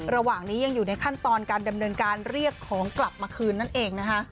ระหว่างนี้ยังอยู่ในขั้นตอนการดำเนินการเรียกของกลับมาคืนนั่นเองนะคะ